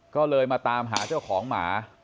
ก็เลยมาตามหาเจ้าของหมา